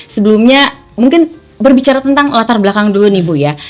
sebelumnya mungkin berbicara tentang latar belakang dulu nih bu ya